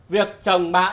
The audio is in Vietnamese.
việc chồng bắt đôi